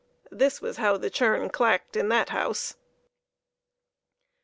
This was how the churn clacked in that house